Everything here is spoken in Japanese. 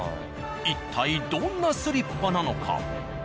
一体どんなスリッパなのか？